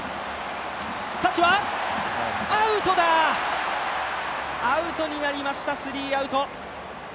タッチはアウトだ、アウトになりました、スリーアウト。